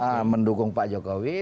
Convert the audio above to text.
tidak ada yang mendukung pak jokowi